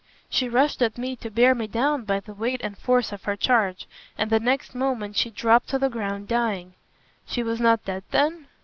She rushed at me to bear me down by the weight and force of her charge, and the next moment she dropped to the ground dying." "She was not dead then?"